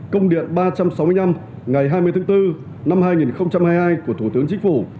công điện ba trăm sáu mươi năm ngày hai mươi tháng bốn năm hai nghìn hai mươi hai của thủ tướng chính phủ